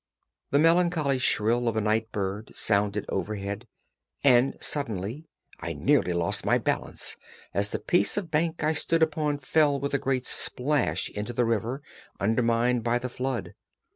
The melancholy shrill cry of a night bird sounded overhead, and suddenly I nearly lost my balance as the piece of bank I stood upon fell with a great splash into the river, undermined by the flood.